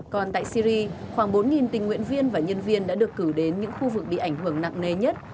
còn tại syri khoảng bốn tình nguyện viên và nhân viên đã được cử đến những khu vực bị ảnh hưởng nặng nề nhất